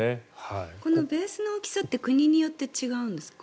このベースの大きさって国によって違うんですか？